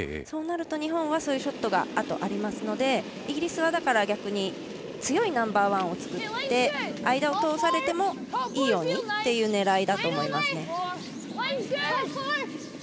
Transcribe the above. そうなると日本はそういうショットがあと、ありますのでイギリスは逆に強いナンバーワンを作って間を通されてもいいようにという狙いだと思いますね。